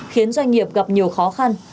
khiến doanh nghiệp gặp nhiều khó khăn